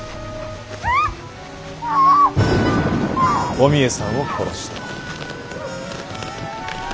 お三枝さんを殺した。